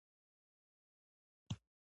ایا زه باید ځمکه واخلم؟